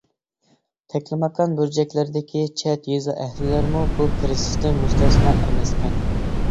تەكلىماكان بۇرجەكلىرىدىكى چەت يېزا ئەھلىلىرىمۇ بۇ كىرىزىستىن مۇستەسنا ئەمەسكەن.